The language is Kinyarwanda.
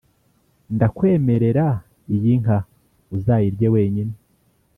ndakwemerera, iyi nka uzayirye wenyine.